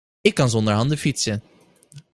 Ik kan zonder handen fietsen.